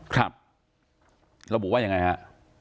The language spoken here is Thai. ครับระบุว่ายังไงฮะ